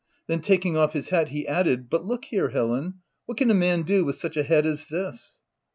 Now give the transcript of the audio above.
Then taking off his hat, he added — "But look here, Helen— what can a man do with such a head as this